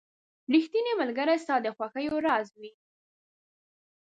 • ریښتینی ملګری ستا د خوښیو راز وي.